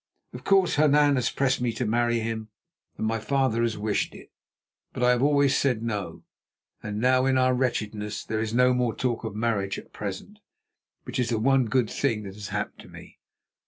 Of course, Hernan has pressed me to marry him, and my father has wished it. But I have always said no, and now, in our wretchedness, there is no more talk of marriage at present, which is the one good thing that has happened to me.